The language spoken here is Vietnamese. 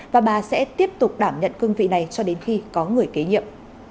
và bà sẽ tiếp tục đảm nhận cương vị này cho đến khi có người kế nhiệm